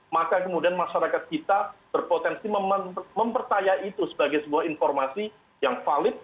maka kemudian masyarakat kita berpotensi mempercaya itu sebagai sebuah informasi yang valid